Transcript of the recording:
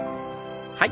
はい。